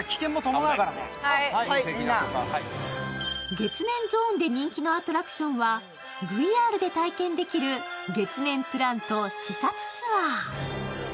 月面ゾーンで人気のアトラクションは、ＶＲで体験できる月面プラント視察ツアー。